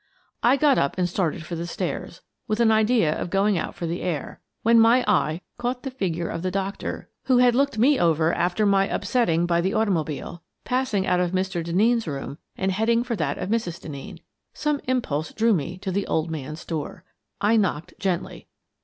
I got up and started for the stairs, with an idea of going out for the air, when my eye caught the figure of the doctor who had looked me over after my upsetting by the automobile, passing out of Mr. Denneen's room and heading for that of Mrs. Den neen. Some impulse drew me to the old man's door. I knocked gently.